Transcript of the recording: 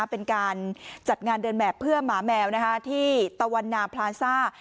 เป็นการจัดงานเดินแบบเพื่อหมาแมวที่ตะวันนาพลาซ่า